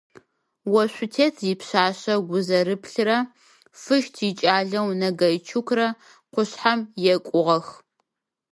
Ошъутенэ ипшъашъэу Гъузэрыплъэрэ Фыщт икӏалэу Нагайчукрэ къушъхьэм екӏугъэх.